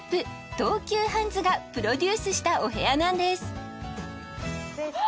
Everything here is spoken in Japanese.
東急ハンズがプロデュースしたお部屋なんです失礼します